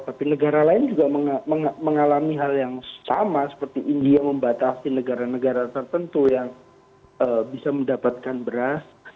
tapi negara lain juga mengalami hal yang sama seperti india membatasi negara negara tertentu yang bisa mendapatkan beras